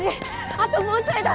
あともうちょいだ！